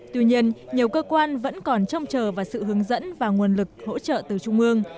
tuy nhiên nhiều cơ quan vẫn còn trông chờ vào sự hướng dẫn và nguồn lực hỗ trợ từ trung ương